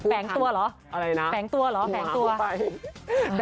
แปลงตัวเหรอ